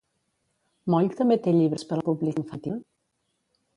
Moll també té llibres per al públic infantil?